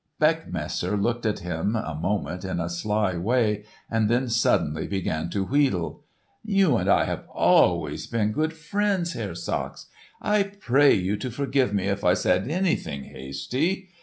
Beckmesser looked at him a moment in a sly way and then suddenly began to wheedle. "You and I have always been good friends, Herr Sachs. I pray you to forgive me if I said anything hasty.